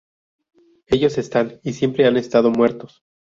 Ellos están, y siempre han estado, muertos"".